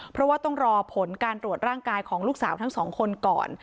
เพราะว่าต้องรอผลการตรวจร่างกายของลูกสาวทั้งสองคนก่อน